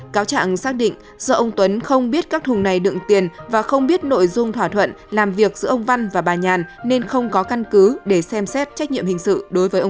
cáo trạng xác định do ông tuấn không biết các thùng này đựng tiền và không biết nội dung thỏa thuận làm việc giữa ông văn và bà nhàn nên không có căn cứ để xem xét trách nhiệm hình sự đối với ông